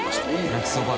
焼きそば。